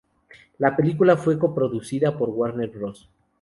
La película fue coproducida con Warner Bros.